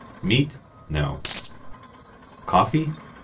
Meat? No. Coffee?